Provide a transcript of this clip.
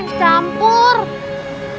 masih enggak diangkat